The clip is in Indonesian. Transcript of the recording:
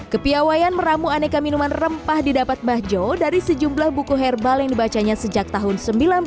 kepiawayan meramu aneka minuman rempah didapat bahjo dari sejumlah buku herbal yang dibacanya sejak tahun seribu sembilan ratus sembilan puluh